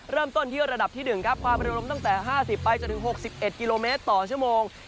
เริ่มต้นที่ระดับที่๑ครับความเร็วลมตั้งแต่๕๐ไปจนถึง๖๑กิโลเมตรต่อชั่วโมง